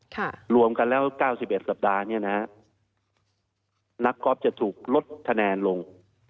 รวมกันแล้วเก้าสิบเอ็ดสัปดาห์เนี้ยนะฮะนักกอล์ฟจะถูกลดคะแนนลง